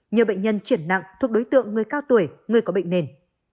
nhiều bệnh nhân chuyển nặng thuộc đối tượng người cao tuổi người có bệnh nền